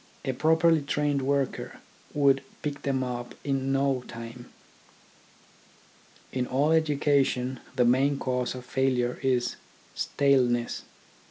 A properly trained worker would pick them up in no time. In all education the main cause of failure is staleness.